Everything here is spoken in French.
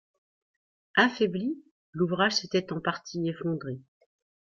Affaibli, l'ouvrage s'était en partie effondré.